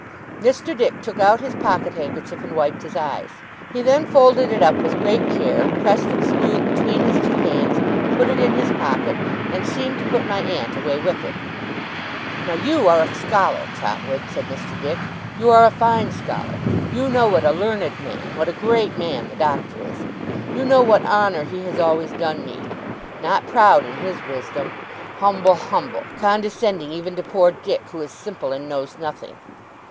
Mr. Dick took out his pocket handkerchief, and wiped his eyes. He then folded it up with great care, pressed it smooth between his two hands, put it in his pocket, and seemed to put my aunt away with it. 'Now you are a scholar, Trotwood,' said Mr. Dick. 'You are a fine scholar. You know what a learned man, what a great man, the Doctor is. You know what honour he has always done me. Not proud in his wisdom. Humble, humble condescending even to poor Dick, who is simple and knows nothing.